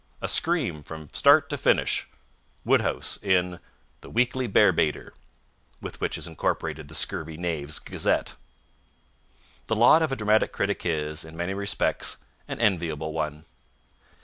A scream from start to finish." Wodehouse, in The Weekly Bear Baiter (with which is incorporated The Scurvy Knaves' Gazette). The lot of a dramatic critic is, in many respects, an enviable one.